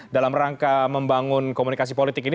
dalam rangka membangun komunikasi politik ini